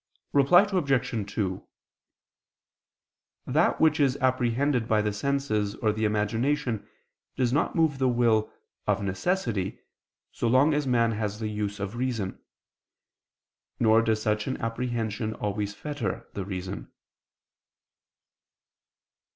Reply Obj. 2: That which is apprehended by the senses or the imagination does not move the will, of necessity, so long as man has the use of reason; nor does such an apprehension always fetter the reason.